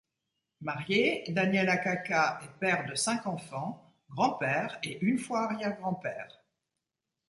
Marié, Daniel Akaka est père de cinq enfants, grand-père et une fois arrière-grand-père.